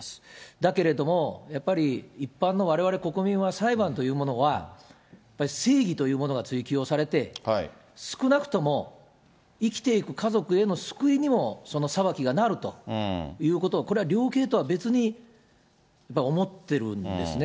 だけれども、やっぱり一般のわれわれ国民は、裁判というものは、やっぱり正義というものが追求をされて、少なくとも生きていく家族への救いにも、その裁きがなるということ、これは量刑とは別に思ってるんですね。